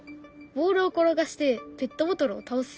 ボールを転がしてペットボトルを倒す。